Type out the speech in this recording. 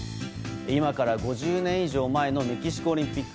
今から５０年以上前のメキシコオリンピック。